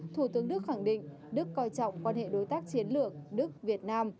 thủ tướng đức khẳng định đức coi trọng quan hệ đối tác chiến lược đức việt nam